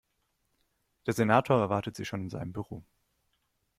Der Senator erwartet Sie schon in seinem Büro.